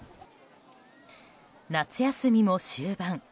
夏休みも終盤。